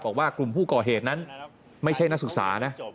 บอกว่ากลุ่มผู้ก่อเหตุนั้นไม่ใช่นักศึกษานะ